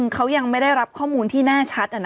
เขายังไม่ได้รับข้อมูลที่แน่ชัด